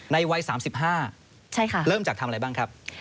วัย๓๕เริ่มจากทำอะไรบ้างครับ